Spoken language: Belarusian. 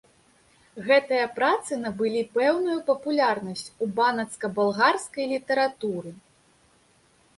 Гэтыя працы набылі пэўную папулярнасць у банацка-балгарскай літаратуры.